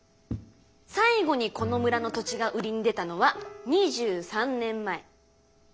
最後にこの村の土地が売りに出たのは２３年前。